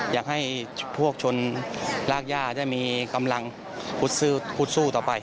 อยากให้พวกชนรากย่าได้มีกำลังพูดสู้ต่อไป